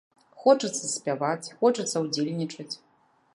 Хочацца спяваць, хочацца ўдзельнічаць.